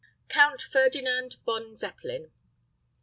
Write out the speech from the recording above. COUNT FERDINAND VON ZEPPELIN.